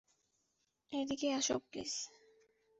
এদিকে আসো, প্লিজ।